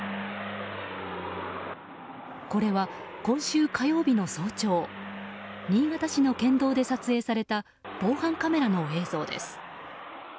これは、今週火曜日の早朝新潟市の県道で撮影された防犯カメラの映像です。